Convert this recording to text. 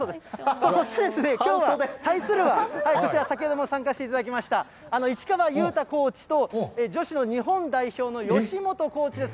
そしてですね、きょうは対するは、こちら、先ほども参加していただきました市川優太コーチと女子の日本代表の吉元コーチです。